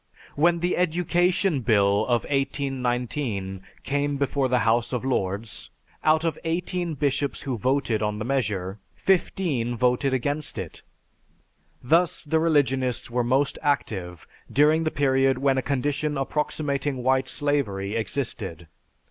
When the Education Bill of 1819 came before the House of Lords, out of eighteen Bishops who voted on the measure, fifteen voted against it! Thus the religionists were most active during the period when a condition approximating white slavery existed.